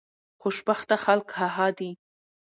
خوشبخته خلک هغه دي